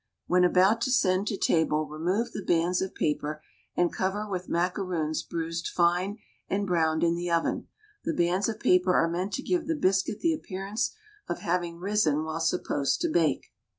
When about to send to table, remove the bands of paper, and cover with macaroons bruised fine and browned in the oven. The bands of paper are meant to give the biscuit the appearance of having risen while supposed to bake.